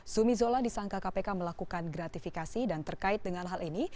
zumi zola disangka kpk melakukan gratifikasi dan terkait dengan hal ini